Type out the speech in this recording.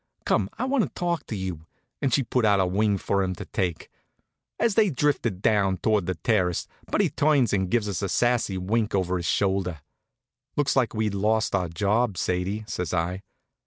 Come, I want to talk to you," and she put out a wing for him to take. As they drifted down towards the terrace Buddy turns and gives us the sassy wink over his shoulder. "Looks like we'd lost our job, Sadie," says I.